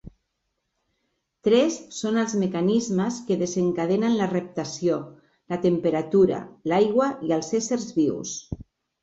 Tres són els mecanismes que desencadenen la reptació: la temperatura, l'aigua i els éssers vius.